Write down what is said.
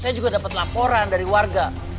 saya juga dapat laporan dari warga